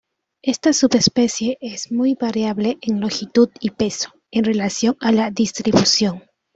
Esta subespecie es muy variable en longitud y peso en relación a la distribución.